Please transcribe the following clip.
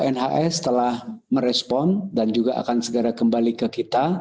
nhs telah merespon dan juga akan segera kembali ke kita